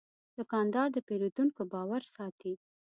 دوکاندار د پیرودونکو باور ساتي.